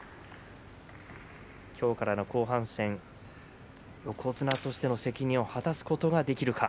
今日からの後半戦横綱としての責任を果たすことができるか。